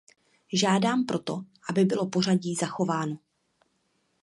Žádám proto, aby bylo pořadí zachováno.